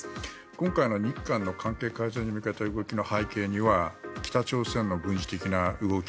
今回の日韓の関係改善に向けた動きの背景には北朝鮮の軍事的な動き